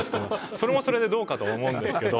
それもそれでどうかと思うんですけど。